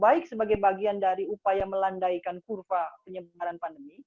baik sebagai bagian dari upaya melandaikan kurva penyebaran pandemi